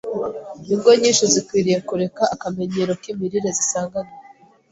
Ingo nyinshi zikwiriye kureka akamenyero k’imirire zisanganywe